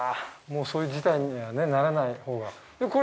もうそういう事態にはねならない方が。